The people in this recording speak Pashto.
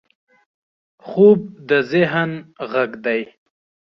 خوب د ذهن غږ دی